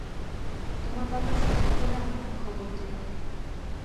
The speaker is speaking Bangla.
তোমার বাবা সুস্থ হলে আমাকে খবর দিও।